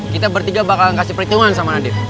kita bertiga bakalan kasih perintiwan sama nadif